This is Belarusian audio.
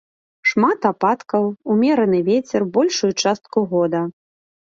Шмат ападкаў, умераны вецер большую частку года.